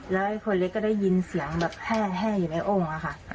แล้วไอ้คนเล็กก็ได้ยินเสียงแห้อยู่ในโอ้งค่ะ